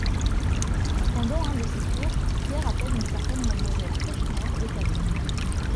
Pendant un de ses cours, Pierre appelle une certaine Mademoiselle Fechner au tableau.